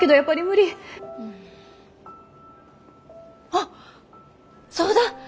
あっそうだ。